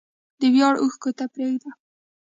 د ویاړ اوښکو ته پرېښود